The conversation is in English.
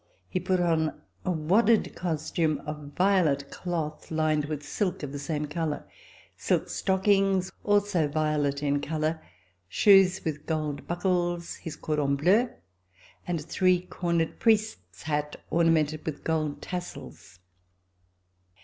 He put on a wadded costume of violet cloth, lined with silk of the same color; silk stockings, also violet in color; shoes with gold buckles; his cordon bleu, and a three cornered priest's hat ornamented with gold tassels.